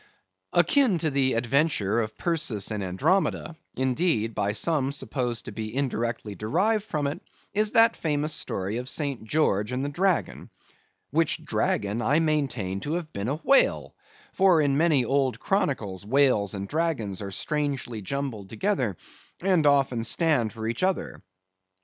Akin to the adventure of Perseus and Andromeda—indeed, by some supposed to be indirectly derived from it—is that famous story of St. George and the Dragon; which dragon I maintain to have been a whale; for in many old chronicles whales and dragons are strangely jumbled together, and often stand for each other.